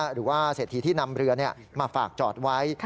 หรือว่าเศรษฐีที่นำเรือมาฝากจอดไว้